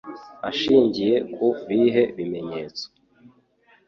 ashingiye ku bihe bimenyetso